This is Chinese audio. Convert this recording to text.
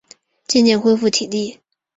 渐渐恢复体力